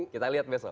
kita lihat besok